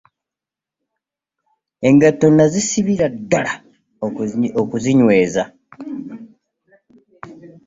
Engatto nazisibira ddala okuzinyweza.